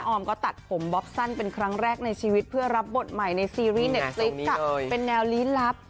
ออมก็ตัดผมบ๊อบสั้นเป็นครั้งแรกในชีวิตเพื่อรับบทใหม่ในซีรีส์เน็ตซิกค่ะเป็นแนวลี้ลับ